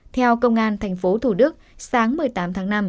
theo công an thành phố thủ đức sáng một mươi tám tháng năm